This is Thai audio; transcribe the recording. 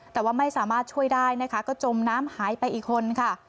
แต่ว่าไม่สามารถช่วยได้นะคะก็จมน้ำหายไปอีกคนค่ะ